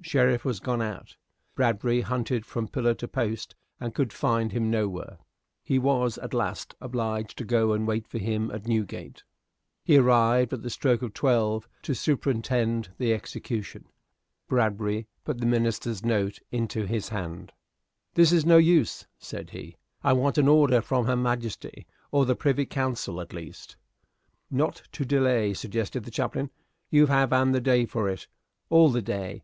Sheriff was gone out. Bradbury hunted him from pillar to post, and could find him nowhere. He was at last obliged to go and wait for him at Newgate. He arrived at the stroke of twelve to superintend the execution. Bradbury put the minister's note into his hand. "This no use," said he. "I want an order from His Majesty, or the Privy Council at least." "Not to delay," suggested the chaplain. "You have an the day for it." "All the day!